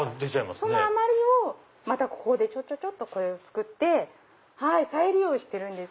その余りをここでちょちょっと作って再利用してるんです。